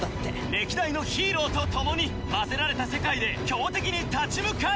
歴代のヒーローと共に混ぜられた世界で強敵に立ち向かえ！